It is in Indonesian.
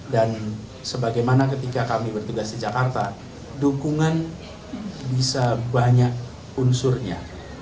dan sebagaimana ketika kami bertugas di jakarta dukungan bisa banyak unsurnya